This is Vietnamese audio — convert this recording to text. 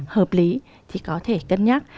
hợp lý thì có thể cân nhắc